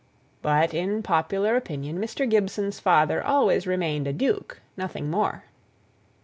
But, in popular opinion, Mr. Gibson's father always remained a duke; nothing more.